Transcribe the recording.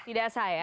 tidak sah ya